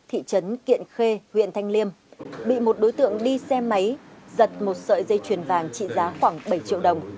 thị trấn kiện khê huyện thanh liêm bị một đối tượng đi xe máy giật một sợi dây chuyền vàng trị giá khoảng bảy triệu đồng